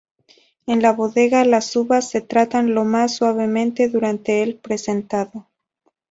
En la bodega, las uvas se tratan lo más suavemente durante el prensado.